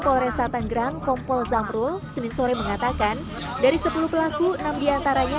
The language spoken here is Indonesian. polresta tanggerang kompol zamrul senin sore mengatakan dari sepuluh pelaku enam diantaranya